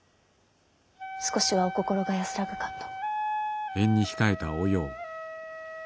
少しはお心が安らぐかと。